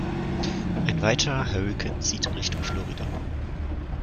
Ein weiterer Hurrikan zieht in Richtung Florida.